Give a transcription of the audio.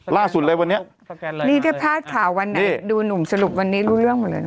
ล่าสุดเลยวันนี้นี่ถ้าพลาดข่าววันไหนดูหนุ่มสรุปวันนี้รู้เรื่องหมดเลยนะ